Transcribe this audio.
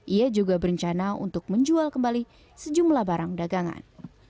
ia juga berencana untuk menjual kembali sejumlah barang dagangan